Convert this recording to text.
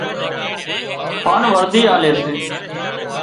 هانَ ورڌِي آلي سي